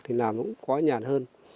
thì làm nó cũng có nhạt hơn